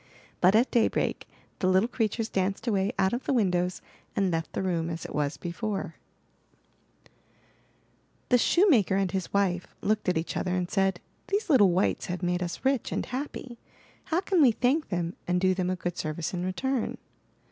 But at daybreak the little creatures danced away out of the windows and left the room as it was before. MY BOOK HOUSE The shoemaker and his wife looked at each other and said: 'These little wights have made us rich and happy. How can we thank them and do them a good service in return?"